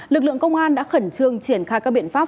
lực lượng công an đã khẩn trương triển khai các biện pháp